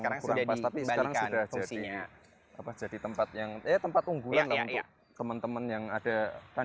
kurang tapi sekarang sudah jadi apa jadi tempat yang tempat unggulan teman teman yang ada kan